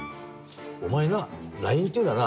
お前なＬＩＮＥっていうのはな